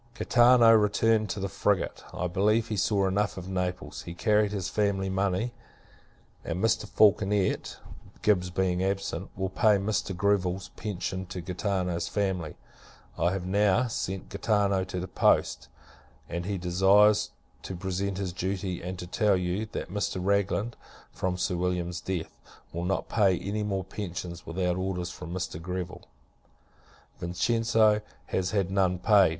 Gaetano returned in the frigate. I believe, he saw enough of Naples. He carried his family money; and Mr. Falconet (Gibbs being absent) will pay Mr. Greville's pension to Gaetano's family. I have now [sent] Gaetano to the post: and he desires, to present his duty; and to tell you, that Mr. Ragland, from Sir William's death, will not pay any more pensions, without orders from Mr. Greville. Vincenzo has had none paid.